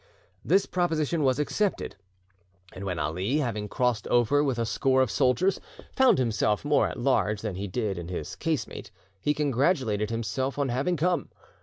The proposition was accepted, and when Ali, having crossed over with a score of soldiers, found himself more at large than he did in his casemate, he congratulated himself on having come.